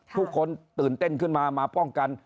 ทุกคนตื่นเต้นขึ้นมามาป้องกัน